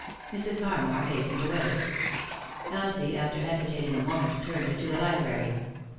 Mrs. Harmar hastened away. Elsie, after hesi tating a moment, turned into the library.